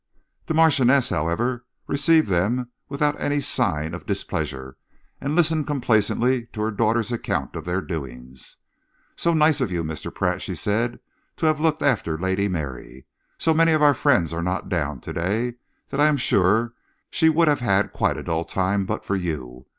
The Marchioness, however, received them without any sign of displeasure and listened complacently to her daughter's account of their doings. "So nice of you, Mr. Pratt," she said, "to have looked after Lady Mary. So many of our friends are not down to day that I am sure she would have had quite a dull time but for you.